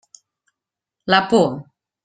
La por.